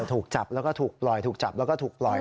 ถูกจับแล้วก็ถูกปล่อยถูกจับแล้วก็ถูกปล่อย